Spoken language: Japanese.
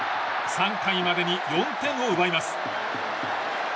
３回までに４点を奪います。